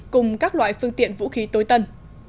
cùng các loại phương tiện vũ khí tối tân